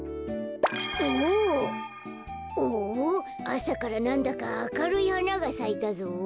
あさからなんだかあかるいはながさいたぞ。